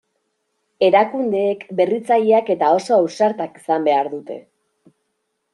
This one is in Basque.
Erakundeek berritzaileak eta oso ausartak izan behar dute.